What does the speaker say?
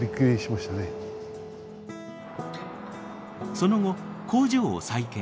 その後工場を再建。